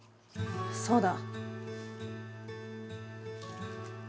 そうだ。